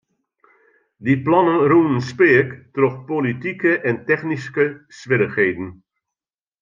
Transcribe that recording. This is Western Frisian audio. Dy plannen rûnen speak troch politike en technyske swierrichheden.